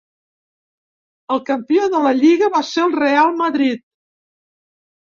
El campió de la Lliga va ser el Real Madrid.